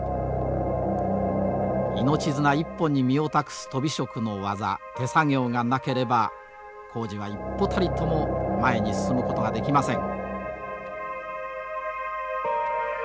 命綱一本に身を託すとび職の技手作業がなければ工事は一歩たりとも前に進むことができません。